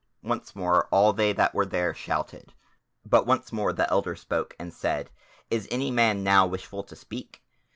Once more all they that were there shouted. But once more the Elder spoke and said: "Is any man now wishful to speak?"